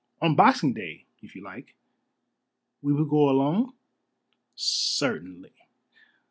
On Boxing Day if you like." "We will go alone?" "Certainly.